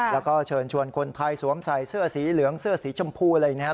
แล้วก็เชิญชวนคนไทยสวมใส่เสื้อสีเหลืองเสื้อสีชมพูอะไรอย่างนี้